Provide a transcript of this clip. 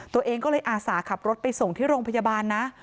ตัวเองก็เลยอาสาขับรถไปส่งที่โรงพยาบาลนะ